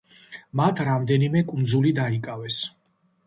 მათ რამდენიმე კუნძული დაიკავეს.